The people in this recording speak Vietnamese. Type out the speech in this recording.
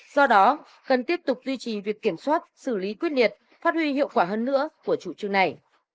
do đó cần tiếp tục duy trì việc kiểm soát xử lý quyết liệt phát huy hiệu quả hơn nữa của chủ trương này